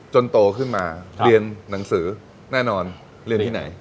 โตขึ้นมาเรียนหนังสือแน่นอนเรียนที่ไหน